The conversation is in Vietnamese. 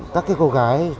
các cái cô gái trẻ